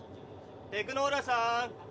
テクノーラさん！